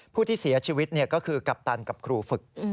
ผู้ที่เสียชีวิตก็คือกัปตันกับครูฝึก